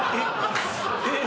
えっ⁉